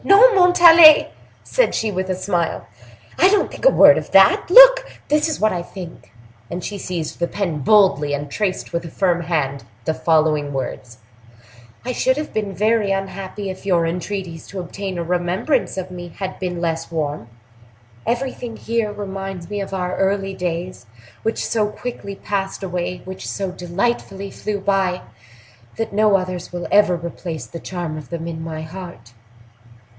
"No, Montalais," said she, with a smile; "I don't think a word of that. Look, this is what I think;" and she seized the pen boldly, and traced, with a firm hand, the following words: "I should have been very unhappy if your entreaties to obtain a remembrance of me had been less warm. Everything here reminds me of our early days, which so quickly passed away, which so delightfully flew by, that no others will ever replace the charm of them in my heart."